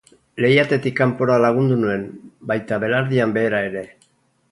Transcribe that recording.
Leihatetik kanpora lagundu nuen, baita belardian behera ere.